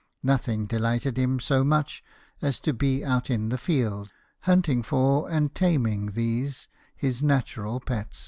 No:hing delighted him so much as to be out in the fields, hunting for and taming these his natural pets.